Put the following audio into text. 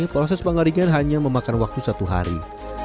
proses pengeringan hanya memakan waktu satu hari